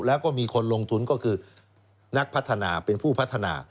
แล้วก็มีคนลงทุนก็คือนักพัฒนาเป็นผู้พัฒนา